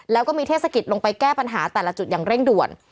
แล้วก็มีเทศกิจลงไปแก้ปัญหาแต่ละจุดอย่างเร่งด่วน